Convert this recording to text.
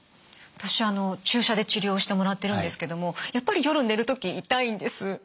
私注射で治療をしてもらってるんですけどもやっぱり夜寝る時痛いんです。